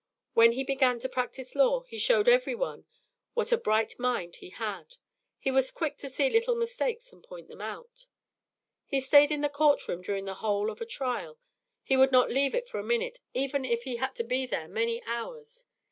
When he began to practise law, he showed every one what a bright mind he had. He was quick to see little mistakes and point them out. He stayed in the court room during the whole of a trial. He would not leave it for a minute, even if he had been there many hours.